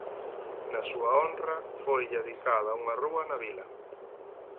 Na súa honra foille adicada unha rúa na vila.